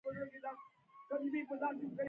طبي اخلاق د ډاکتر د شخصیت هنداره ده